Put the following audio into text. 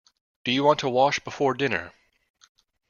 Do you want to wash before dinner?